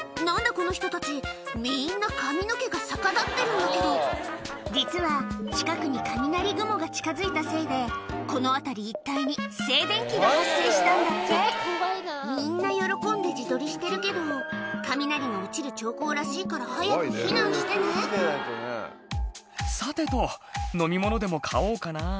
この人たちみんな髪の毛が逆立ってるんだけど実は近くに雷雲が近づいたせいでこの辺り一帯に静電気が発生したんだってみんな喜んで自撮りしてるけど雷の落ちる兆候らしいから早く避難してね「さてと飲み物でも買おうかな」